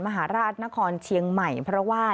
มหาราชนครเชียงใหม่เพราะว่า